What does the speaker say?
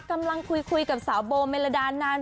กำลังคุยกับสาวโบเมลดานาน